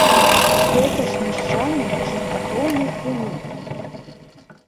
Гэта ж мяшчане чыстакроўнай крыві.